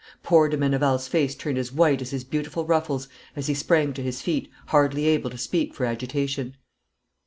Poor de Meneval's face turned as white as his beautiful ruffles as he sprang to his feet, hardly able to speak for agitation.